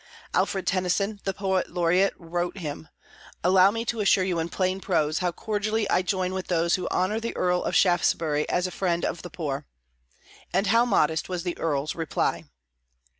Alfred Tennyson, the Poet Laureate, wrote him, "Allow me to assure you in plain prose, how cordially I join with those who honour the Earl of Shaftesbury as a friend of the poor." And, how modest was the Earl's reply.